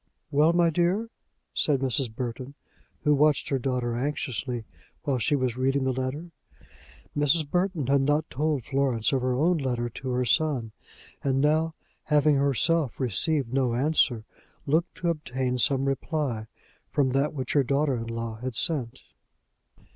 "Well, my dear," said Mrs. Burton, who watched her daughter anxiously while she was reading the letter. Mrs. Burton had not told Florence of her own letter to her son; and now, having herself received no answer, looked to obtain some reply from that which her daughter in law had sent.